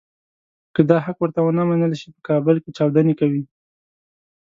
که دا حق ورته ونه منل شي په کابل کې چاودنې کوي.